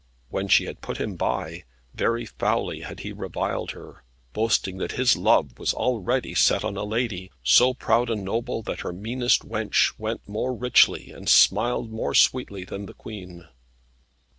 When she had put him by, very foully had he reviled her, boasting that his love was already set on a lady, so proud and noble, that her meanest wench went more richly, and smiled more sweetly, than the Queen.